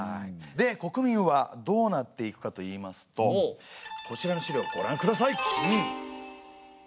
で国民はどうなっていくかといいますとこちらの資料ごらんください！